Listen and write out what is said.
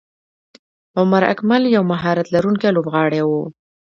عمر اکمل یو مهارت لرونکی لوبغاړی وو.